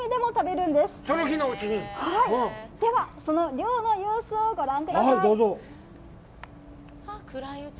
では、その漁の様子をご覧ください。